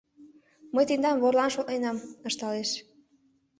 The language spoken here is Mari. — Мый тендам ворлан шотленам... — ышталеш.